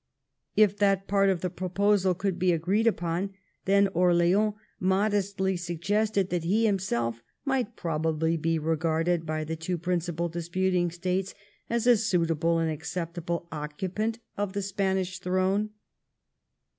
If that part of the proposal could be agreed upon, then Orleans modestly suggested that he himself might probably be regarded by the two principal disputing States as a suitable and acceptable occupant of the Spanish throne.